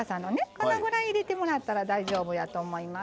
このぐらい入れてもらったら大丈夫やと思います。